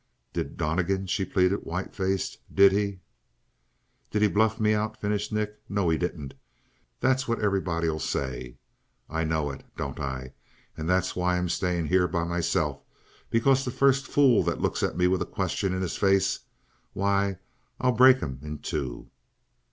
"Did Donnegan " she pleaded, white faced. "Did he " "Did he bluff me out?" finished Nick. "No, he didn't. That's what everybody'll say. I know it, don't I? And that's why I'm staying here by myself, because the first fool that looks at me with a question in his face, why I'll break him in two."